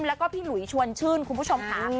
แล้วก็พี่หลุยชวนชื่นคุณผู้ชมค่ะ